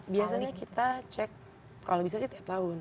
biasanya kita cek kalau bisa sih tiap tahun